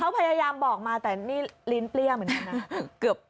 เขาพยายามบอกมาแต่นี่ลิ้นเปรี้ยเหมือนกันนะ